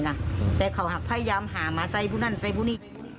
แต่ถ้าเขาอยากพยายามที่จะทำ